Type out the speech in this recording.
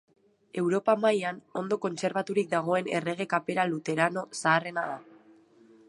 Europa mailan ondo kontserbaturik dagoen Errege kapera luterano zaharrena da.